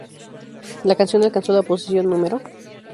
La canción alcanzó la posición Nro.